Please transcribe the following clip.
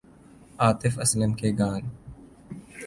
عاطف اسلم کے گان